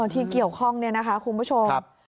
ที่เกี่ยวข้องเนี่ยนะคะคุณผู้ชม